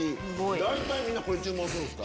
大体みんな注文するんすか？